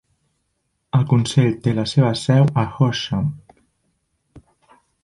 El consell té la seva seu a Horsham.